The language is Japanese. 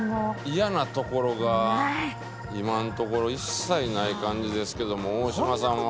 イヤなところが今のところ一切ない感じですけども大島さんは？